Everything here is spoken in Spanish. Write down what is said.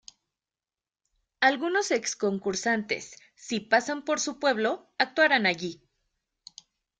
Algunos ex concursantes si pasan por su pueblo actuaran allí.